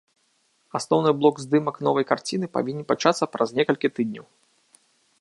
Асноўны блок здымак новай карціны павінен пачацца праз некалькі тыдняў.